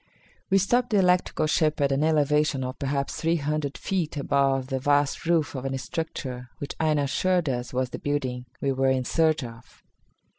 We stopped the electrical ship at an elevation of perhaps three hundred feet above the vast roof of a structure which Aina assured us was the building we were in search of.